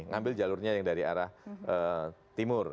ngambil jalurnya yang dari arah timur